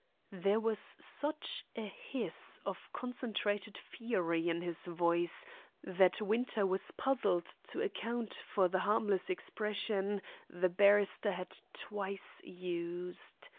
There was such a hiss of concentrated fury in his voice that Winter was puzzled to account for the harmless expression the barrister had twice used.